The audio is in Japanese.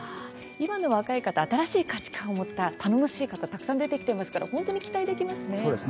今の若い方新しい価値観を持った頼もしい方たくさん出てきていますので期待できますね。